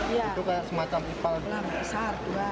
itu kan semacam pipal besar